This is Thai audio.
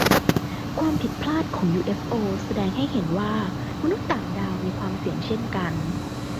ความผิดพลาดของยูเอฟโอแสดงให้เห็นว่ามนุษย์ต่างดาวมีความเสี่ยงเช่นกัน